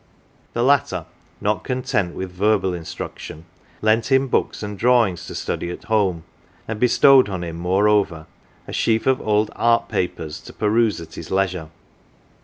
The latter, not content with verbal instruction, lent him books and drawings to study at home ; and bestowed on him, moreover, a sheaf of old Art Papers to peruse at his leisure.